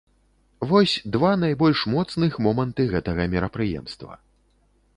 Вось два найбольш моцных моманты гэтага мерапрыемства.